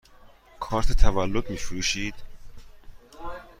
کارت تولد می فروشید؟